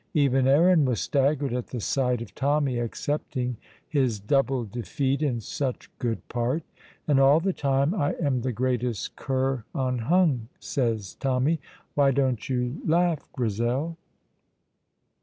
Even Aaron was staggered at the sight of Tommy accepting his double defeat in such good part. "And all the time I am the greatest cur unhung," says Tommy. "Why don't you laugh, Grizel?"